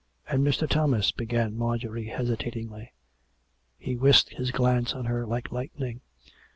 "And Mr. Thomas " began Marjorie hesitatingly. He whisked his glance on her like lightning.